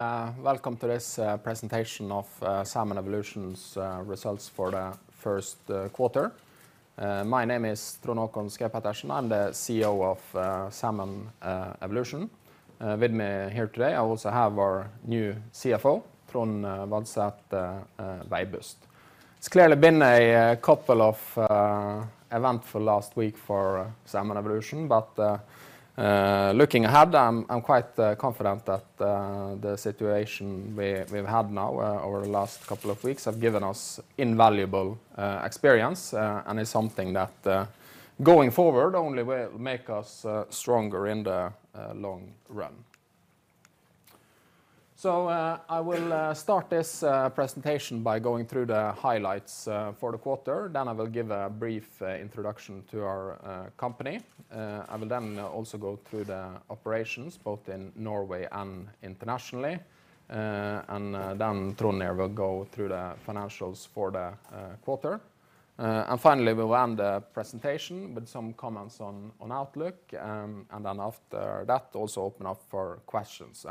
Welcome to this presentation of Salmon Evolution's results for the first quarter. My name is Trond Håkon Schaug-Pettersen. I'm the CEO of Salmon Evolution. With me here today, I also have our new CFO, Trond Vadset Veibust. It's clearly been a couple of eventful last week for Salmon Evolution. Looking ahead, I'm quite confident that the situation we've had now over the last couple of weeks have given us invaluable experience, and it's something that going forward only will make us stronger in the long run. I will start this presentation by going through the highlights for the quarter. I will give a brief introduction to our company. I will then also go through the operations both in Norway and internationally. Trond here will go through the financials for the quarter. Finally, we'll end the presentation with some comments on outlook, and then after that also open up for questions.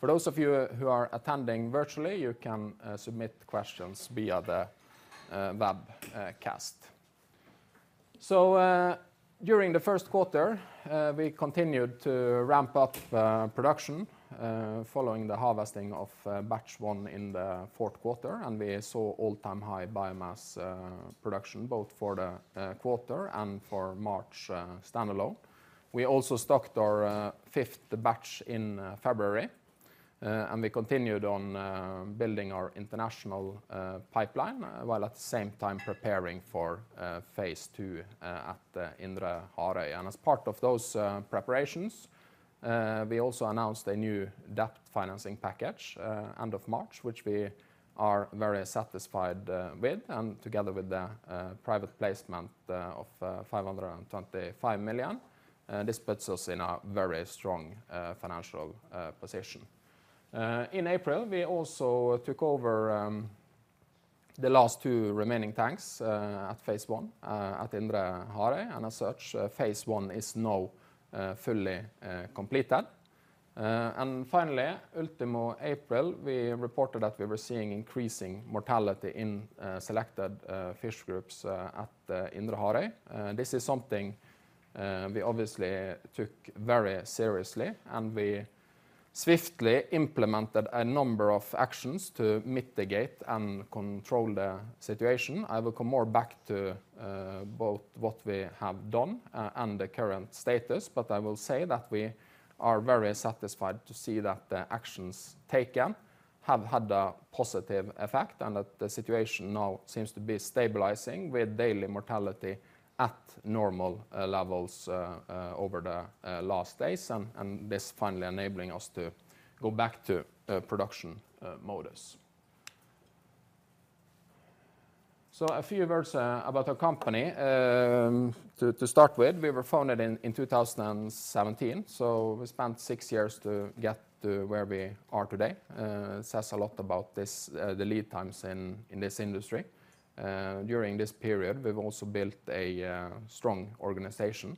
For those of you who are attending virtually, you can submit questions via the webcast. During the first quarter, we continued to ramp up production following the harvesting of batch one in the fourth quarter, and we saw all-time high biomass production both for the quarter and for March standalone. We also stocked our fifth batch in February. We continued on building our international pipeline, while at the same time preparing for phase two at Indre Harøy. As part of those preparations, we also announced a new debt financing package end of March, which we are very satisfied with, and together with the private placement of 525 million. This puts us in a very strong financial position. In April, we also took over the last two remaining tanks at Phase one at Indre Harøy. As such, Phase one is now fully completed. Finally, ultimo April, we reported that we were seeing increasing mortality in selected fish groups at Indre Harøy. This is something we obviously took very seriously, and we swiftly implemented a number of actions to mitigate and control the situation. I will come more back to both what we have done and the current status, but I will say that we are very satisfied to see that the actions taken have had a positive effect and that the situation now seems to be stabilizing with daily mortality at normal levels over the last days and this finally enabling us to go back to production modus. A few words about our company. To start with, we were founded in 2017, so we spent six years to get to where we are today. Says a lot about this the lead times in this industry. During this period, we've also built a strong organization,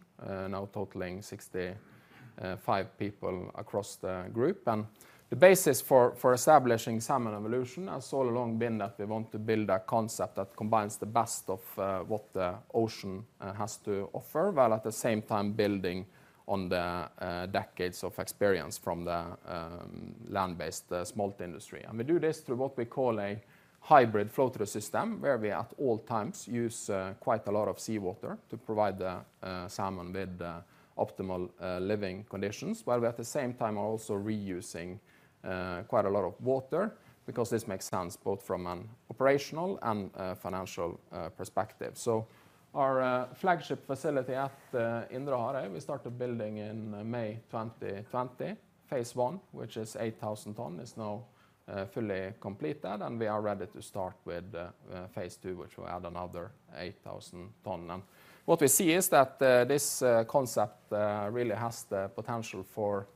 now totaling 65 people across the group. The basis for establishing Salmon Evolution has all along been that we want to build a concept that combines the best of what the ocean has to offer, while at the same time building on the decades of experience from the land-based smolt industry. We do this through what we call a hybrid flow-through system, where we, at all times, use quite a lot of seawater to provide the salmon with optimal living conditions, while we, at the same time, are also reusing quite a lot of water because this makes sense both from an operational and a financial perspective. Our flagship facility at Indre Harøy, we started building in May 2020. Phase one, which is 8,000 tons, is now fully completed. We are ready to start with phase two, which will add another 8,000 tons. What we see is that this concept really has the potential for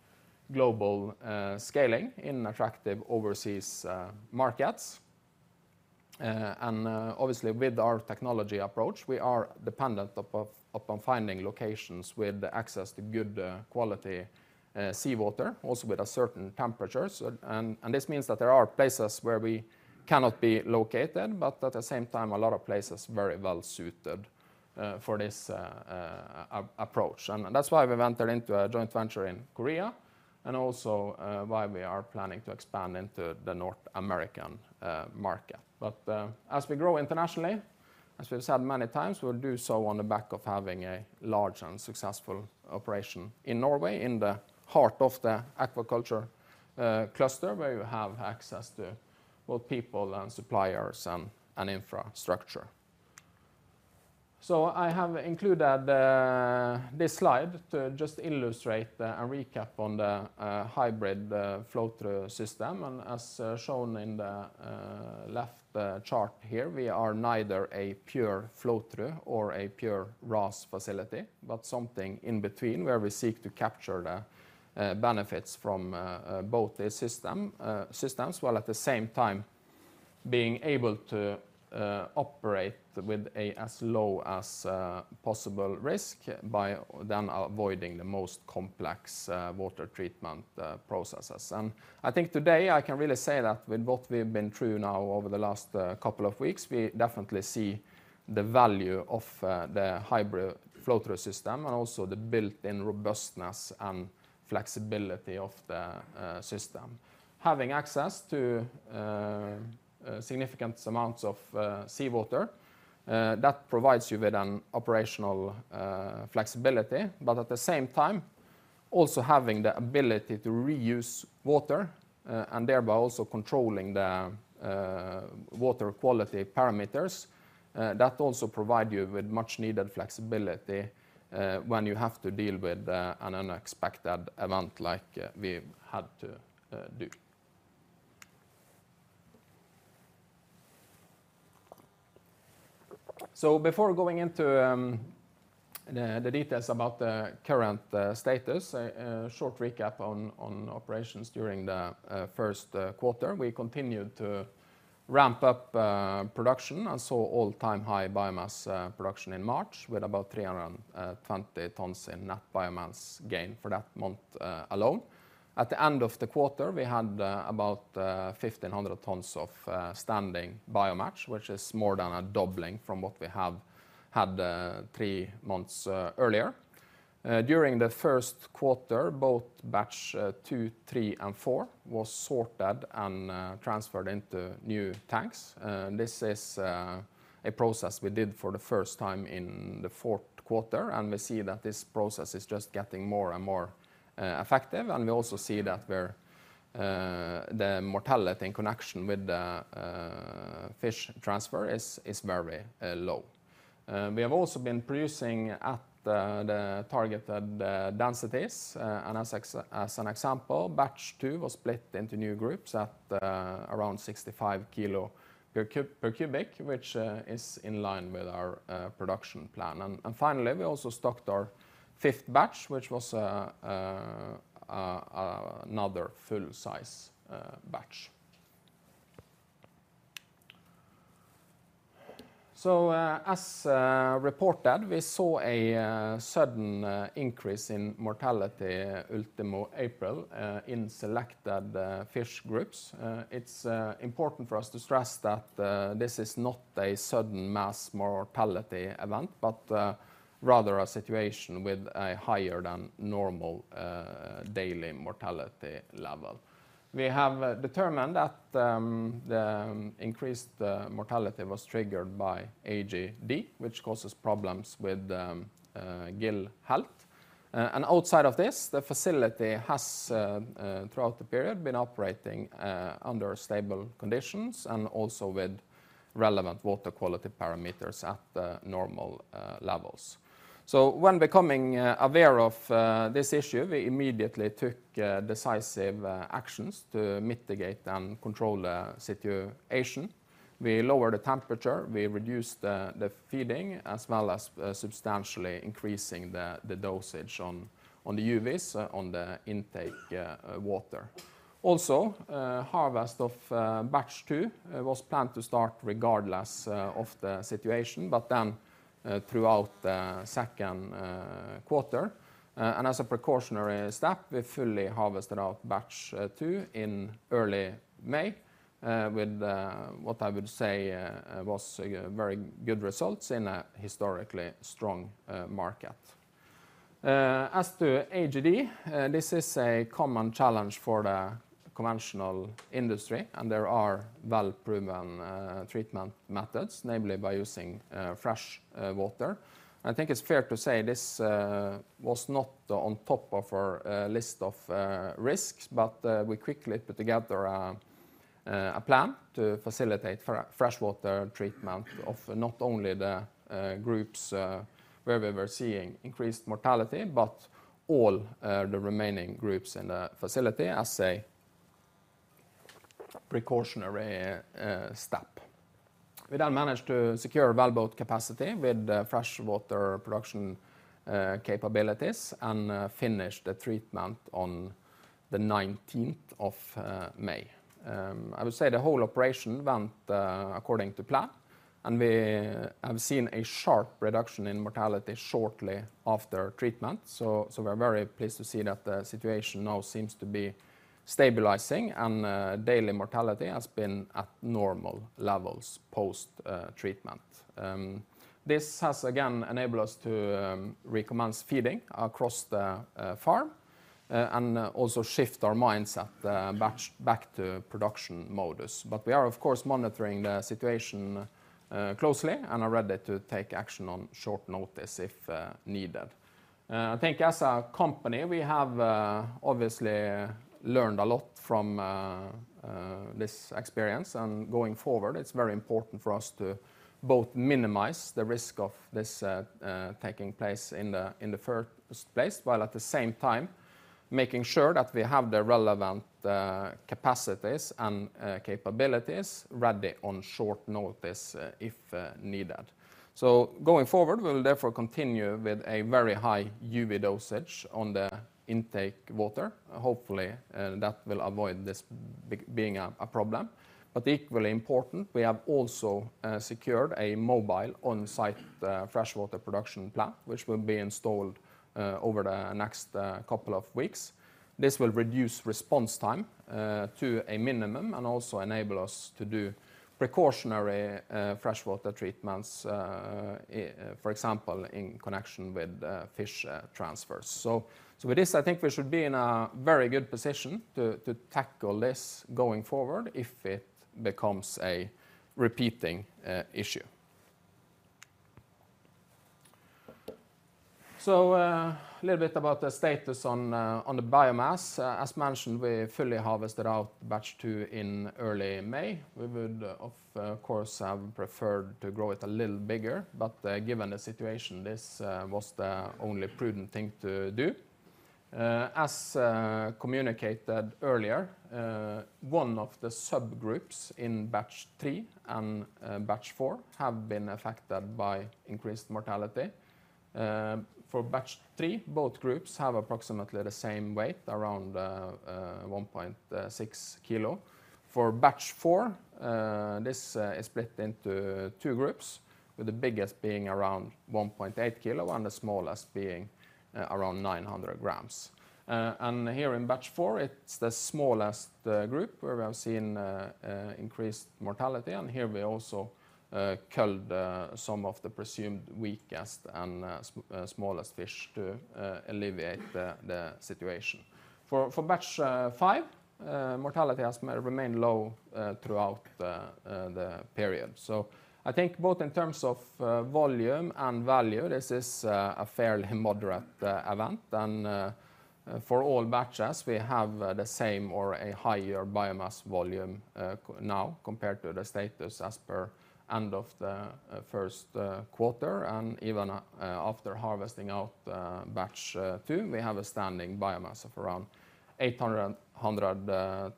global scaling in attractive overseas markets. Obviously, with our technology approach, we are dependent upon finding locations with access to good quality seawater, also with certain temperatures. This means that there are places where we cannot be located, but at the same time, a lot of places very well suited for this approach. That's why we've entered into a joint venture in Korea and also why we are planning to expand into the North American market. As we grow internationally, as we've said many times, we'll do so on the back of having a large and successful operation in Norway, in the heart of the aquaculture cluster, where we have access to both people and suppliers and infrastructure. I have included this slide to just illustrate and recap on the hybrid flow-through system. As shown in the left chart here, we are neither a pure flow-through or a pure RAS facility, but something in between, where we seek to capture the benefits from both the system systems, while at the same time being able to operate with a as low as possible risk by then avoiding the most complex water treatment processes. I think today I can really say that with what we've been through now over the last couple of weeks, we definitely see the value of the hybrid flow-through system and also the built-in robustness and flexibility of the system. Having access to significant amounts of seawater that provides you with an operational flexibility. At the same time, also having the ability to reuse water and thereby also controlling the water quality parameters that also provide you with much needed flexibility when you have to deal with an unexpected event like we had to do. Before going into the details about the current status, a short recap on operations during the first quarter. We continued to ramp up production and saw all-time high biomass production in March with about 320 tons in net biomass gain for that month alone. At the end of the quarter, we had about 1,500 tons of standing biomass, which is more than a doubling from what we have had three months earlier. During the first quarter, both batch two, three, and four was sorted and transferred into new tanks. This is a process we did for the first time in the fourth quarter, and we see that this process is just getting more and more effective. We also see that where the mortality in connection with the fish transfer is very low. We have also been producing at the targeted densities, and as an example, batch two was split into new groups at around 65 kilo per cubic, which is in line with our production plan. Finally, we also stocked our fifth batch, which was another full size batch. As reported, we saw a sudden increase in mortality último April, in selected fish groups. It's important for us to stress that this is not a sudden mass mortality event, but rather a situation with a higher than normal daily mortality level. We have determined that the increased mortality was triggered by AGD, which causes problems with gill health. Outside of this, the facility has throughout the period been operating under stable conditions and also with relevant water quality parameters at the normal levels. When becoming aware of this issue, we immediately took decisive actions to mitigate and control the situation. We lowered the temperature, we reduced the feeding, as well as substantially increasing the dosage on the UVs on the intake water. Harvest of batch two was planned to start regardless of the situation, but then throughout the second quarter, and as a precautionary step, we fully harvested out batch two in early May with what I would say was very good results in a historically strong market. As to AGD, this is a common challenge for the conventional industry. There are well-proven treatment methods, namely by using fresh water. I think it's fair to say this was not on top of our list of risks. We quickly put together a plan to facilitate freshwater treatment of not only the groups where we were seeing increased mortality, but all the remaining groups in the facility as a precautionary step. We managed to secure wellboat capacity with freshwater production capabilities. Finish the treatment on the nineteenth of May. I would say the whole operation went according to plan. We have seen a sharp reduction in mortality shortly after treatment. We're very pleased to see that the situation now seems to be stabilizing, and daily mortality has been at normal levels post treatment. This has again enabled us to recommence feeding across the farm and also shift our mindset back to production modus. We are of course monitoring the situation closely and are ready to take action on short notice if needed. I think as a company, we have obviously learned a lot from this experience, and going forward, it's very important for us to both minimize the risk of this taking place in the first place, while at the same time making sure that we have the relevant capacities and capabilities ready on short notice if needed. Going forward, we'll therefore continue with a very high UV dosage on the intake water. Hopefully, that will avoid this being a problem. Equally important, we have also secured a mobile on-site freshwater production plant, which will be installed over the next couple of weeks. This will reduce response time to a minimum and also enable us to do precautionary freshwater treatments, for example, in connection with fish transfers. With this, I think we should be in a very good position to tackle this going forward if it becomes a repeating issue. A little bit about the status on the biomass. As mentioned, we fully harvested out batch two in early May. We would of course have preferred to grow it a little bigger, but given the situation, this was the only prudent thing to do. As communicated earlier, one of the subgroups in batch three and batch four have been affected by increased mortality. For batch three, both groups have approximately the same weight, around 1.6 kilo. For batch four, this is split into two groups, with the biggest being around 1.8 kilo and the smallest being around 900 grams. Here in batch four, it's the smallest group where we have seen increased mortality, and here we also culled some of the presumed weakest and smallest fish to alleviate the situation. For batch five, mortality has remained low throughout the period. I think both in terms of volume and value, this is a fairly moderate event. For all batches, we have the same or a higher biomass volume now compared to the status as per end of the first quarter. Even after harvesting out batch two, we have a standing biomass of around 800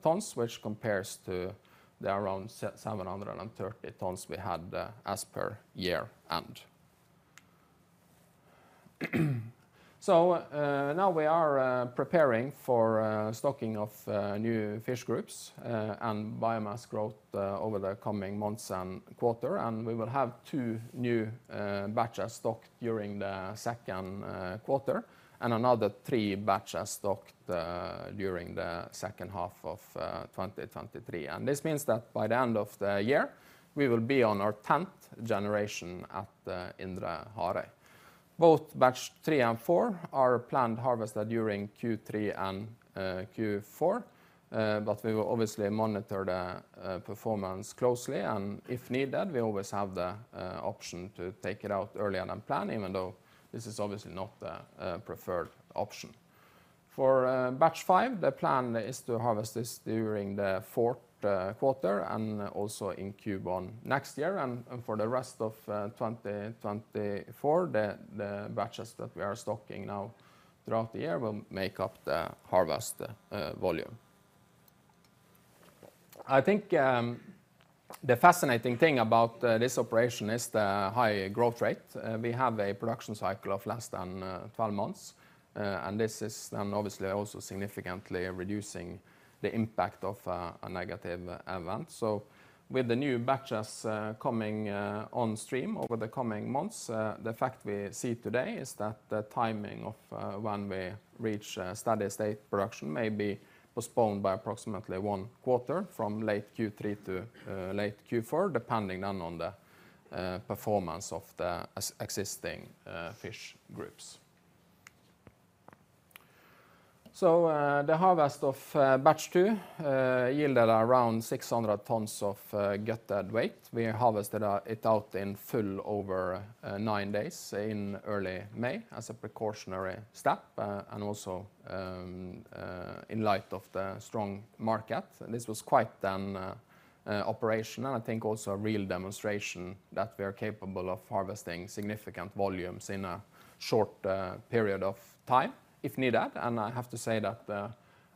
tons, which compares to the around 730 tons we had as per year end. Now we are preparing for stocking of new fish groups and biomass growth over the coming months and quarter. We will have two new batches stocked during the second quarter and another three batches stocked during the second half of 2023. This means that by the end of the year, we will be on our 10th generation at the Indre Harøy. Both batch three and four are planned harvested during Q3 and Q4. We will obviously monitor the performance closely, and if needed, we always have the option to take it out earlier than planned, even though this is obviously not the preferred option. For batch five, the plan is to harvest this during the fourth quarter and also in Q1 next year. For the rest of 2024, the batches that we are stocking now throughout the year will make up the harvest volume. I think the fascinating thing about this operation is the high growth rate. We have a production cycle of less than 12 months. This is then obviously also significantly reducing the impact of a negative event. With the new batches coming on stream over the coming months, the fact we see today is that the timing of when we reach a steady state production may be postponed by approximately one quarter from late Q3 to late Q4, depending on the performance of the existing fish groups. The harvest of batch two yielded around 600 tons of gutted weight. We harvested it out in full over nine days in early May as a precautionary step, and also in light of the strong market. This was quite an operation and I think also a real demonstration that we are capable of harvesting significant volumes in a short period of time if needed. I have to say that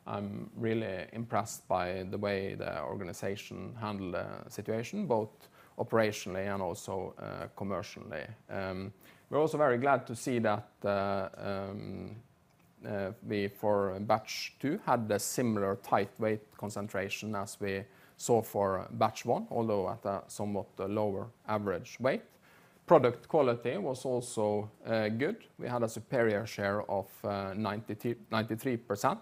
I'm really impressed by the way the organization handled the situation, both operationally and also commercially. We're also very glad to see that we for batch two had a similar tight weight concentration as we saw for batch one, although at a somewhat lower average weight. Product quality was also good. We had a superior share of 93%,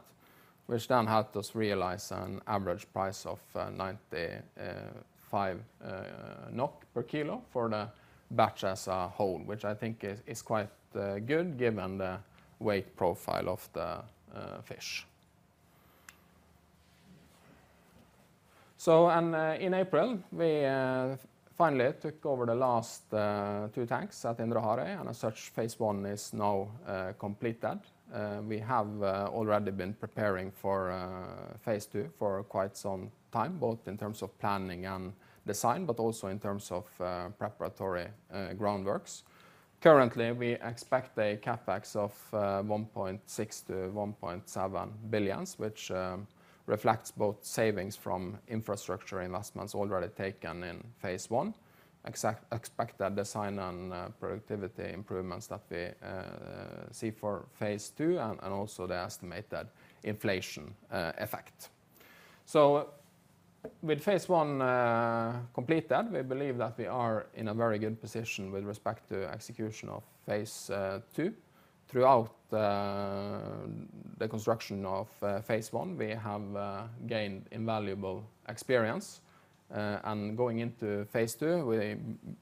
which then helped us realize an average price of 95 NOK per kilo for the batch as a whole, which I think is quite good given the weight profile of the fish. In April, we finally took over the last two tanks at Indre Harøy, and as such, phase one is now completed. We have already been preparing for phase two for quite some time, both in terms of planning and design, but also in terms of preparatory groundworks. Currently, we expect a CapEx of 1.6 billion to 1.7 billion, which reflects both savings from infrastructure investments already taken in phase one, expected design and productivity improvements that we see for phase two and also the estimated inflation effect. With phase one completed, we believe that we are in a very good position with respect to execution of phase two. Throughout the construction of phase one, we have gained invaluable experience. Going into phase two, we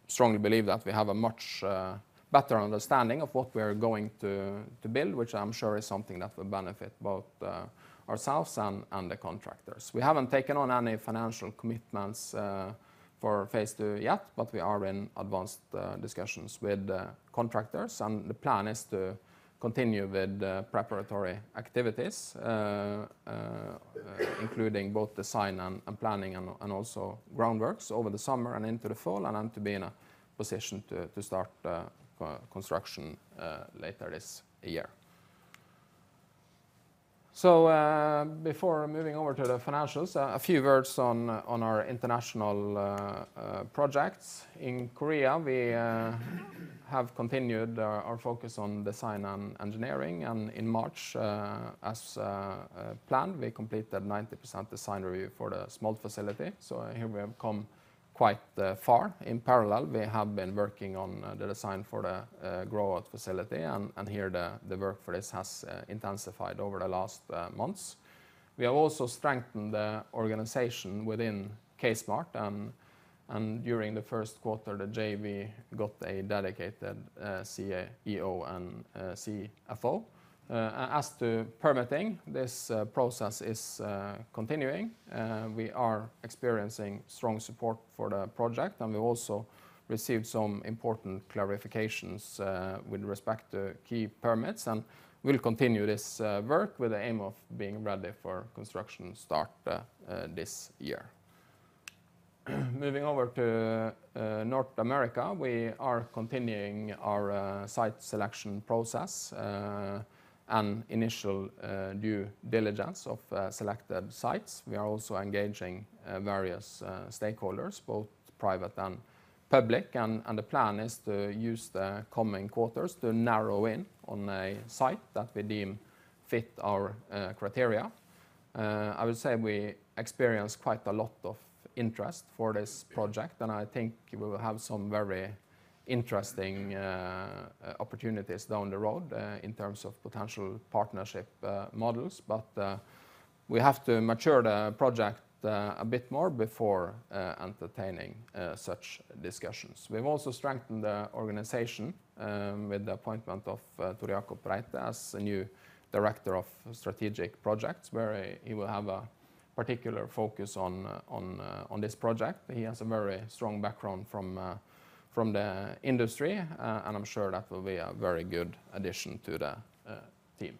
strongly believe that we have a much better understanding of what we are going to build, which I'm sure is something that will benefit both ourselves and the contractors. We haven't taken on any financial commitments for phase two yet, but we are in advanced discussions with contractors. The plan is to continue with the preparatory activities, including both design and planning and also groundworks over the summer and into the fall, then to be in a position to start construction later this year. Before moving over to the financials, a few words on our international projects. In Korea, we have continued our focus on design and engineering, and in March, as planned, we completed 90% design review for the smolt facility. Here we have come quite far. In parallel, we have been working on the design for the grow-out facility and here the work for this has intensified over the last months. We have also strengthened the organization within KSmart. During the first quarter, the JV got a dedicated CEO and CFO. As to permitting, this process is continuing. We are experiencing strong support for the project. We also received some important clarifications with respect to key permits. We'll continue this work with the aim of being ready for construction start this year. Moving over to North America, we are continuing our site selection process, initial due diligence of selected sites. We are also engaging various stakeholders, both private and public. The plan is to use the coming quarters to narrow in on a site that we deem fit our criteria. I would say we experience quite a lot of interest for this project, and I think we will have some very interesting opportunities down the road in terms of potential partnership models. We have to mature the project a bit more before entertaining such discussions. We've also strengthened the organization with the appointment of Tore-Jakob Reite as the new Director Strategic Projects, where he will have a particular focus on this project. He has a very strong background from the industry, and I'm sure that will be a very good addition to the team.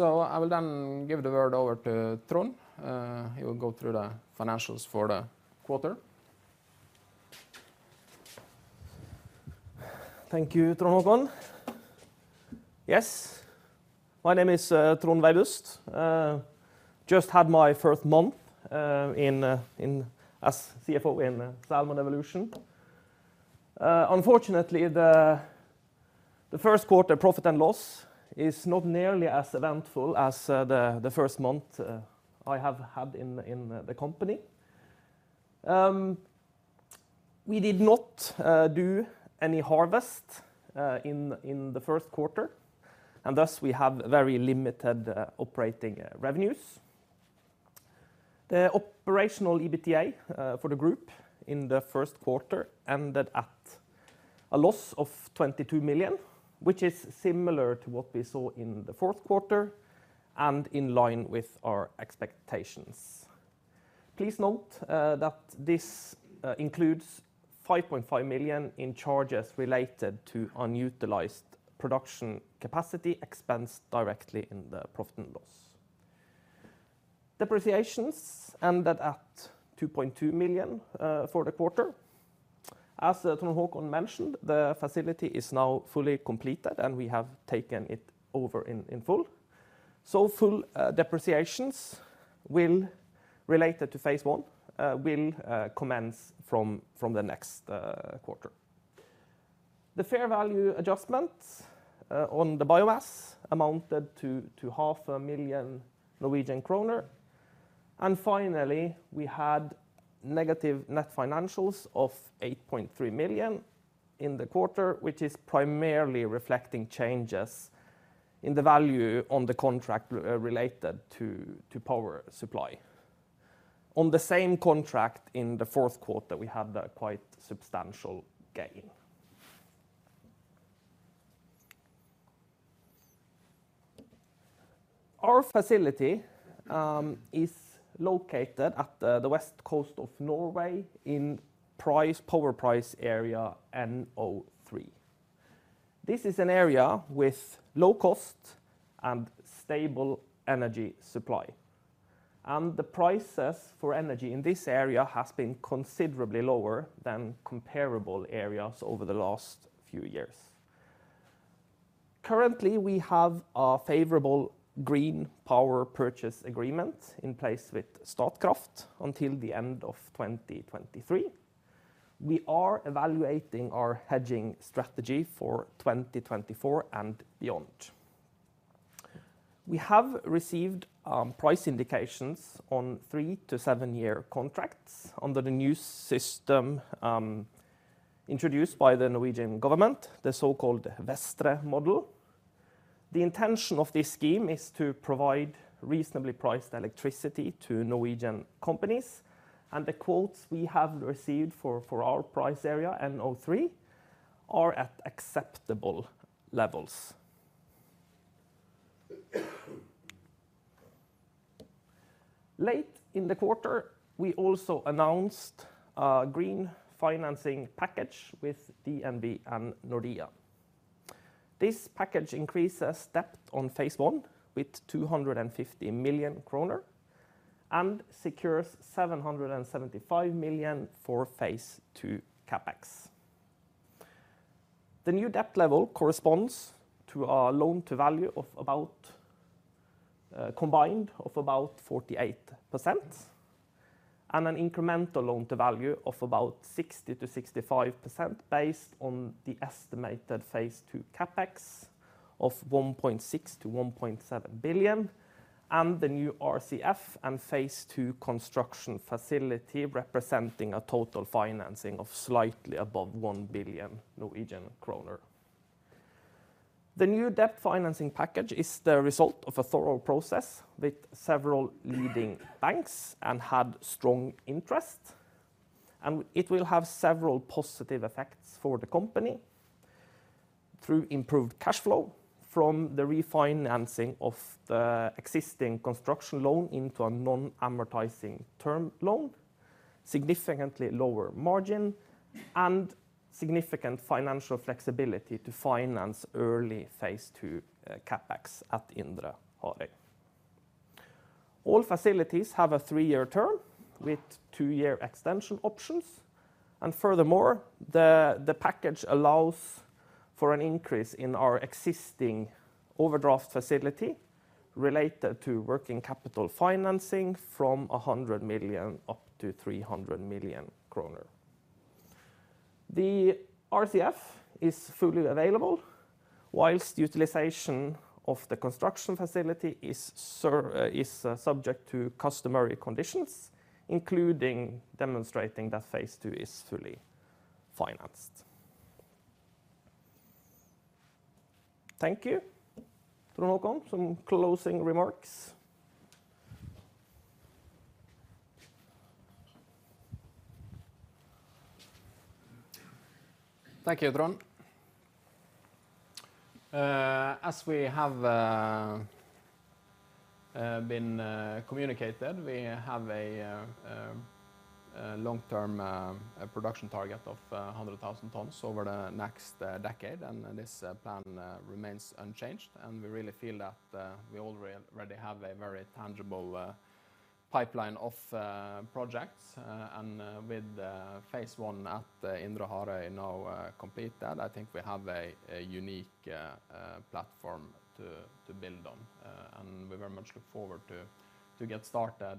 I will then give the word over to Trond. He will go through the financials for the quarter. Thank you, Trond Håkon. Yes. My name is Trond Veibust. Just had my first month as CFO in Salmon Evolution. Unfortunately the first quarter profit and loss is not nearly as eventful as the first month I have had in the company. We did not do any harvest in the first quarter, thus we have very limited operating revenues. The operational EBITDA for the group in the first quarter ended at a loss of 22 million, which is similar to what we saw in the fourth quarter and in line with our expectations. Please note that this includes 5.5 million in charges related to unutilized production capacity expensed directly in the profit and loss. Depreciations ended at 2.2 million for the quarter. As Trond Håkon mentioned, the facility is now fully completed, we have taken it over in full. Full depreciations related to phase one will commence from the next quarter. The fair value adjustment on the biomass amounted to half a million Norwegian kroner. Finally, we had negative net financials of 8.3 million in the quarter, which is primarily reflecting changes in the value on the contract related to power supply. On the same contract in the fourth quarter, we had a quite substantial gain. Our facility is located at the West Coast of Norway in power price area NO3. This is an area with low cost and stable energy supply. The prices for energy in this area has been considerably lower than comparable areas over the last few years. Currently, we have a favorable green power purchase agreement in place with Statkraft until the end of 2023. We are evaluating our hedging strategy for 2024 and beyond. We have received price indications on three to seven year contracts under the new system introduced by the Norwegian government, the so-called Vestre model. The intention of this scheme is to provide reasonably priced electricity to Norwegian companies, and the quotes we have received for our price area NO3 are at acceptable levels. Late in the quarter, we also announced a green financing package with DNB and Nordea. This package increases debt on phase one with 250 million kroner and secures 775 million for phase two CapEx. The new debt level corresponds to our loan to value of about combined of about 48% and an incremental loan to value of about 60%-65% based on the estimated Phase two CapEx of 1.6 billion to 1.7 billion and the new RCF and Phase two construction facility, representing a total financing of slightly above 1 billion Norwegian kroner. The new debt financing package is the result of a thorough process with several leading banks and had strong interest. It will have several positive effects for the company through improved cash flow from the refinancing of the existing construction loan into a non-amortizing term loan, significantly lower margin, and significant financial flexibility to finance early Phase two CapEx at Indre Harøy. All facilities have a three-year term with two-year extension options. Furthermore, the package allows for an increase in our existing overdraft facility related to working capital financing from 100 million up to 300 million kroner. The RCF is fully available while utilization of the construction facility is subject to customary conditions, including demonstrating that phase two is fully financed. Thank you. Trond Håkon, some closing remarks. Thank you, Trond. As we have been communicated, we have a long-term production target of 100,000 tons over the next decade, and this plan remains unchanged. We really feel that we already have a very tangible pipeline of projects. With phase one at Indre Harøy now completed, I think we have a unique platform to build on. We very much look forward to get started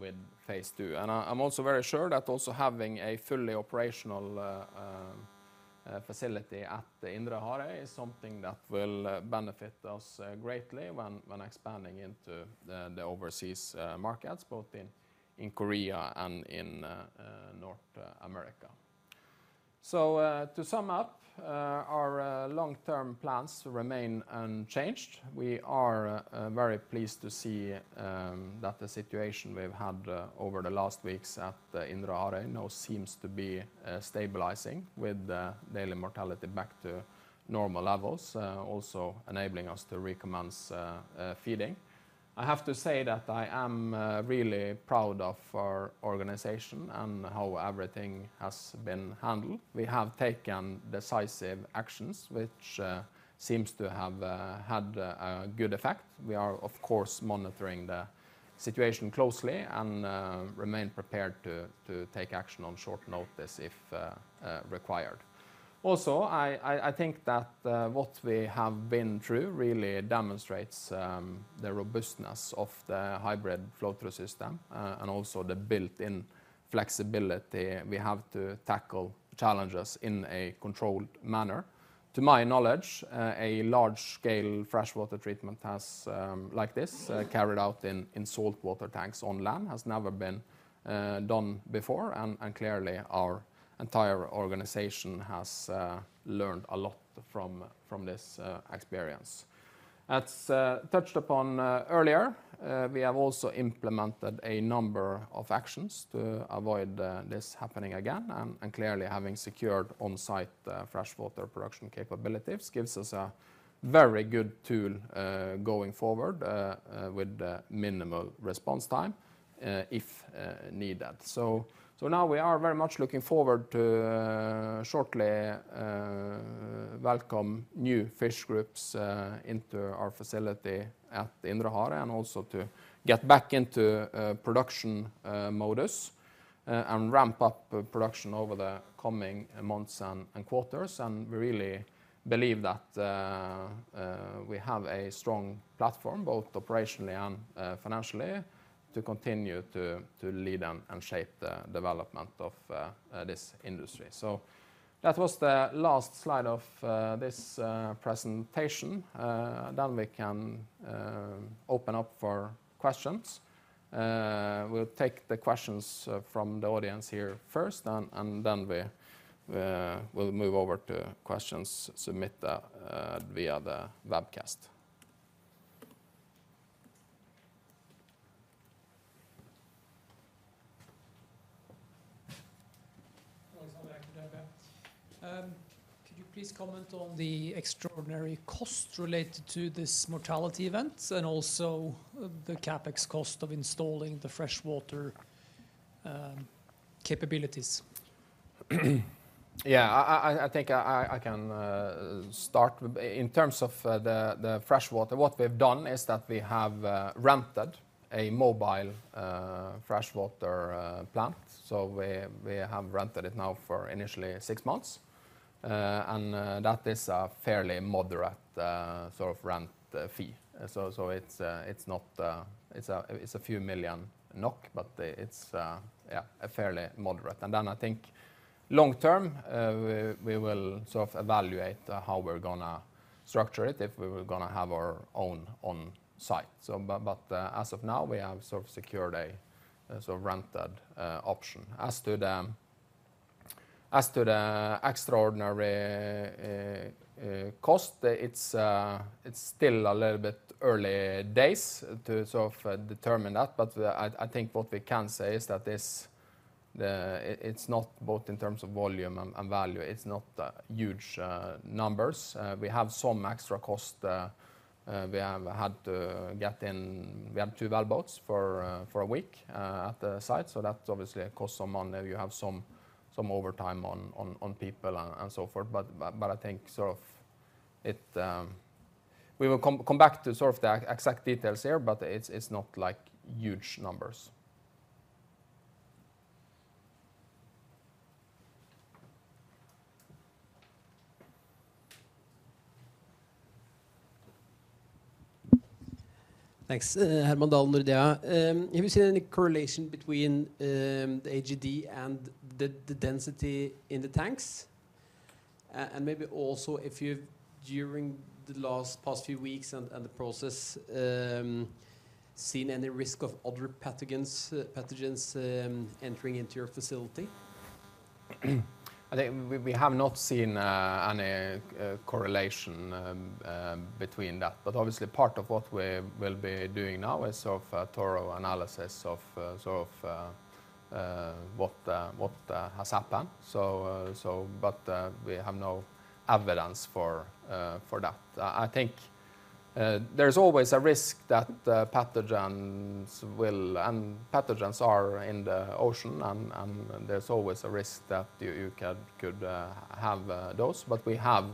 with phase two. I'm also very sure that also having a fully operational facility at Indre Harøy is something that will benefit us greatly when expanding into the overseas markets, both in Korea and in North America. To sum up, our long-term plans remain unchanged. We are very pleased to see that the situation we've had over the last weeks at Indre Harøy now seems to be stabilizing with daily mortality back to normal levels, also enabling us to recommence feeding. I have to say that I am really proud of our organization and how everything has been handled. We have taken decisive actions which seems to have had a good effect. We are, of course, monitoring the situation closely and remain prepared to take action on short notice if required. I think that what we have been through really demonstrates the robustness of the hybrid flow-through system and also the built-in flexibility we have to tackle challenges in a controlled manner. To my knowledge, a large-scale freshwater treatment has, like this, carried out in saltwater tanks on land, has never been done before. Clearly, our entire organization has learned a lot from this experience. As touched upon earlier, we have also implemented a number of actions to avoid this happening again. Clearly, having secured on-site freshwater production capabilities gives us a very good tool going forward with minimal response time if needed. Now we are very much looking forward to shortly welcome new fish groups into our facility at Indre Harøy and also to get back into production modus and ramp up production over the coming months and quarters. We really believe that we have a strong platform, both operationally and financially, to continue to lead and shape the development of this industry. That was the last slide of this presentation. We can open up for questions. We'll take the questions from the audience here first, and then we'll move over to questions submitted via the webcast. Alexander, could you please comment on the extraordinary cost related to this mortality event and also the CapEx cost of installing the freshwater capabilities? Yeah. I think I can start with in terms of the freshwater, what we've done is that we have rented a mobile freshwater plant. We have rented it now for initially six months. That is a fairly moderate sort of rent fee. It's a few million NOK, but it's fairly moderate. I think long term, we will sort of evaluate how we're gonna structure it if we're gonna have our own on site. But, as of now, we have sort of secured a sort of rented option. As to the extraordinary cost, it's still a little bit early days to sort of determine that. I think what we can say is that this, it's not both in terms of volume and value. It's not huge numbers. We have some extra cost, we have had to get in. We have two wellboats for a week at the site. That obviously costs some money. We have some overtime on, on people and so forth. But I think sort of it. We will come back to sort of the exact details there, but it's not like huge numbers. Thanks. Herman Dahl, Nordea. Have you seen any correlation between the AGD and the density in the tanks? Maybe also if you've, during the last, past few weeks and the process, seen any risk of other pathogens entering into your facility? I think we have not seen any correlation between that. Obviously part of what we will be doing now is sort of a thorough analysis of sort of what what has happened. We have no evidence for that. I think there's always a risk that pathogens will. Pathogens are in the ocean and there's always a risk that you could have those. We have,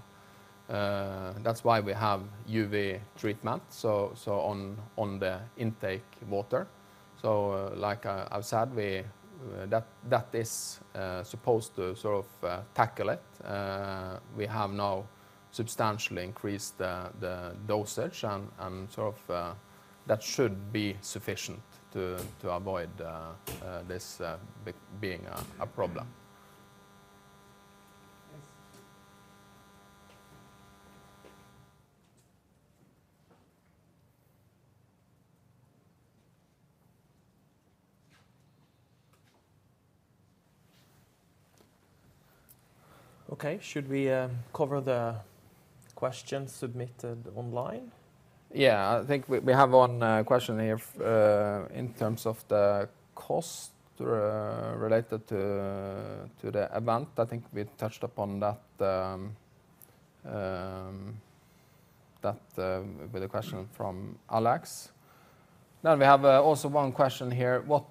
that's why we have UV treatment, so on the intake water. Like I've said, we that is supposed to sort of tackle it. We have now substantially increased the dosage and sort of. That should be sufficient to avoid this being a problem. Thanks. Okay. Should we cover the questions submitted online? Yeah. I think we have one question here in terms of the cost related to the event. I think we touched upon that with a question from Alex. We have also one question here. What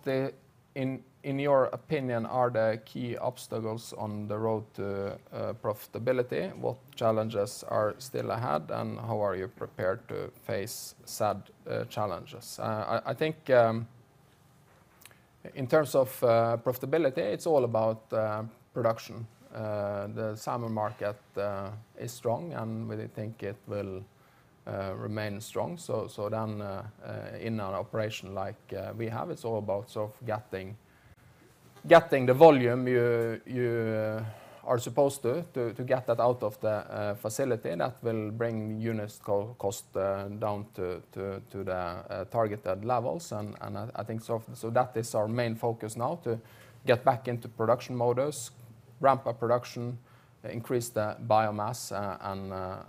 in your opinion are the key obstacles on the road to profitability? What challenges are still ahead, and how are you prepared to face said challenges? I think in terms of profitability, it's all about production. The salmon market is strong, and we think it will remain strong. In an operation like we have, it's all about sort of getting the volume you are supposed to get that out of the facility. That will bring unit co-cost down to the targeted levels. I think so. That is our main focus now, to get back into production modus, ramp up production, increase the biomass,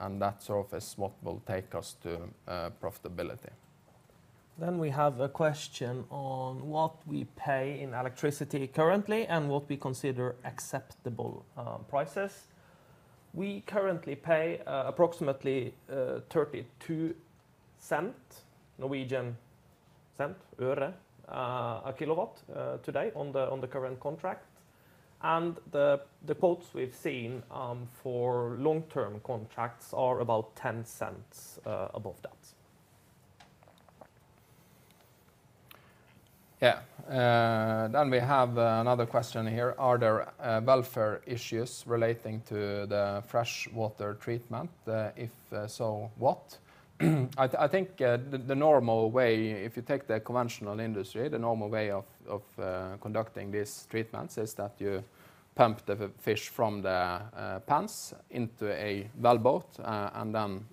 and that sort of is what will take us to profitability. We have a question on what we pay in electricity currently and what we consider acceptable prices. We currently pay approximately 0.32 a kW today on the current contract. The quotes we've seen for long-term contracts are about 0.10 above that. Yeah. We have another question here. Are there welfare issues relating to the freshwater treatment? If so, what? I think the normal way, if you take the conventional industry, the normal way of conducting these treatments is that you pump the fish from the ponds into a wellboat, and then,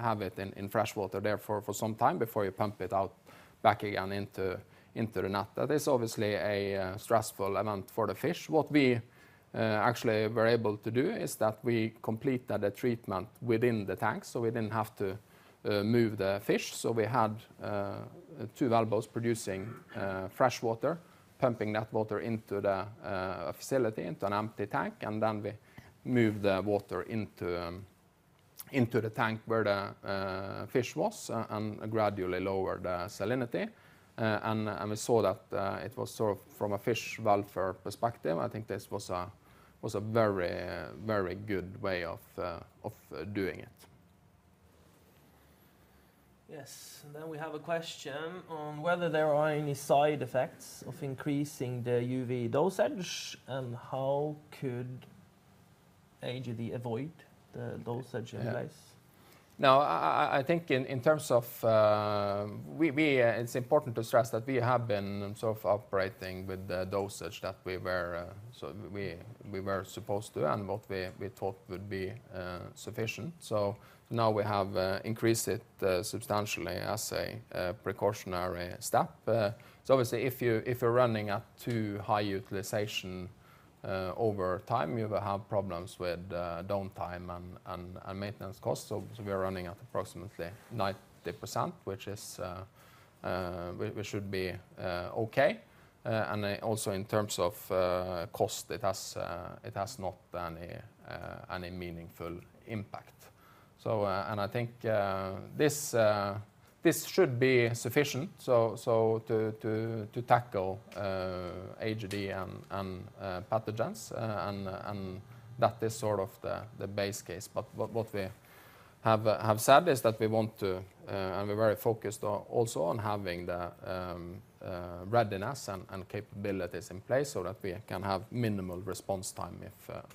have it in freshwater therefore for some time before you pump it out back again into the net. That is obviously a stressful event for the fish. What we actually were able to do is that we completed the treatment within the tank, so we didn't have to move the fish. We had two wellboats producing freshwater, pumping that water into the facility, into an empty tank, and then we moved the water into the tank where the fish was and gradually lowered the salinity. We saw that it was sort of from a fish welfare perspective, I think this was a very, very good way of doing it. Yes. We have a question on whether there are any side effects of increasing the UV dosage, and how could AGD avoid the dosage in place? Yeah. No, I think in terms of, It's important to stress that we have been sort of operating with the dosage that we were, so we were supposed to, and what we thought would be sufficient. Now we have increased it substantially as a precautionary step. Obviously, if you're running at too high utilization over time, you will have problems with downtime and maintenance costs. We're running at approximately 90%, which is we should be okay. Also in terms of cost, it has not any meaningful impact. I think this should be sufficient to tackle AGD and pathogens. That is sort of the base case. What we have said is that we want to, and we're very focused on also on having the readiness and capabilities in place so that we can have minimal response time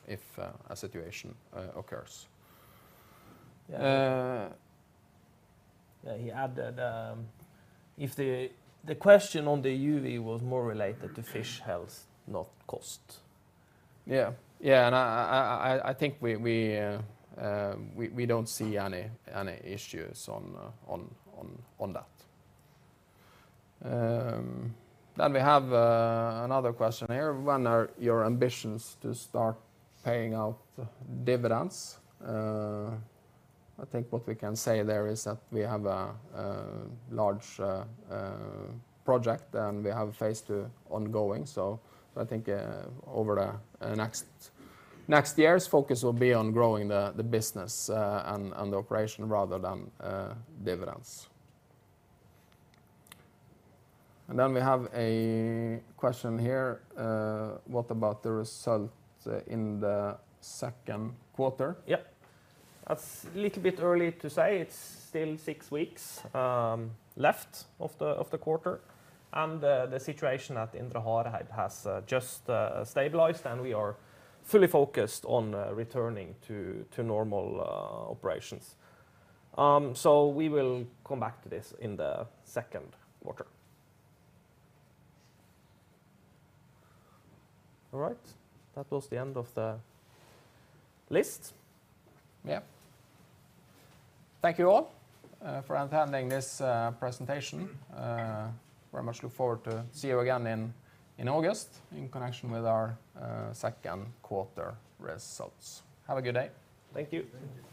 if, a situation occurs. Yeah. He added, The question on the UV was more related to fish health, not cost. Yeah. Yeah, I, I think we don't see any issues on that. We have another question here. When are your ambitions to start paying out dividends? I think what we can say there is that we have a large project, and we have phase two ongoing. I think over the next year's focus will be on growing the business, and the operation rather than dividends. We have a question here. What about the results in the second quarter? Yeah. That's a little bit early to say. It's still six weeks left of the quarter. The situation at Indre Harøy has just stabilized. We are fully focused on returning to normal operations. We will come back to this in the second quarter. All right. That was the end of the list. Yeah. Thank you all, for attending this presentation. Very much look forward to see you again in August in connection with our second-quarter results. Have a good day. Thank you. Thank you.